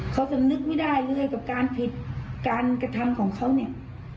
เขาสำนึกไม่ได้เลยกับการผิดการกระทำของเขาเนี่ย